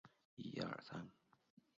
大久保通以此交差点为起点。